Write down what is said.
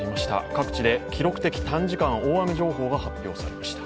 各地で記録的短時間大雨情報が発表されました。